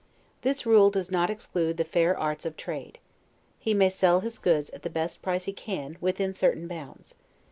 This rule does not exclude the fair arts of trade. He may sell his goods at the best price he can, within certain bounds.